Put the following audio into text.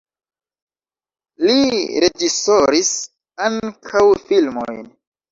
Li reĝisoris ankaŭ filmojn.